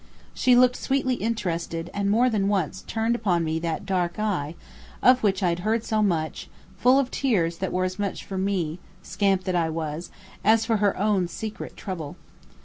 She looked sweetly interested and more than once turned upon me that dark eye, of which I had heard so much, full of tears that were as much for me, scamp that I was, as for her own secret trouble.